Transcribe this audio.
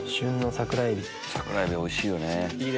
桜エビおいしいよね。